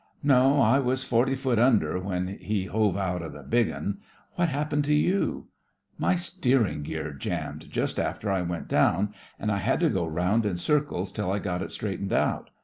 "No, I was forty foot under when he hove out the big 'un. What hap pened to you?" "My steering gear jammed just after I went down, and I had to go round in circles till I got it straight ened out.